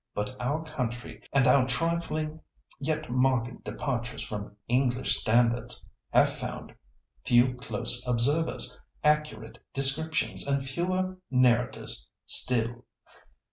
But our country and our trifling yet marked departures from English standards have found few close observers, accurate descriptions, and fewer narrators still.